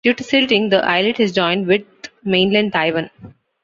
Due to silting, the islet has joined with mainland Taiwan.